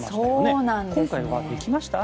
今回はできましたか？